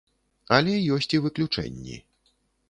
Але ёсць і выключэнні.